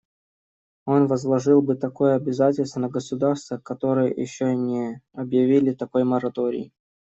Он возложил бы такое обязательство на государства, которые еще не объявили такой мораторий.